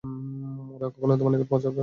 ওরা কখনই তোমার নিকট পৌঁছতে পারবে না।